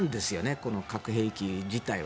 この核兵器自体は。